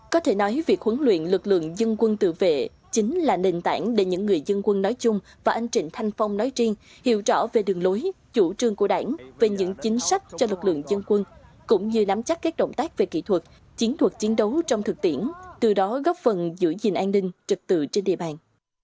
có thể nói việc huấn luyện lực lượng dân quân tự vệ chính là nền tảng để những người dân quân nói chung và anh trịnh thanh phong nói riêng hiểu rõ về đường lối chủ trương của đảng về những chính sách cho lực lượng dân quân cũng như nắm chắc các động tác về kỹ thuật chiến thuật chiến đấu trong thực tiễn từ đó góp phần giữ gìn an ninh trực tự trên địa bàn